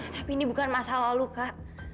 tapi ini bukan masa lalu kak